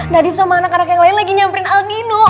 nadif sama anak anak yang lain lagi nyamperin aldino